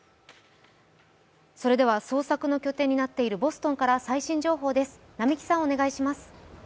それでは捜索の拠点になっているボストンから最新情報です。